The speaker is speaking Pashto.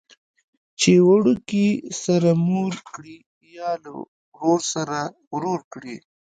چې وړوکي سره مور کړي یا له ورور سره ورور کړي.